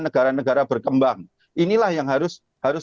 negara negara berkembang inilah yang harus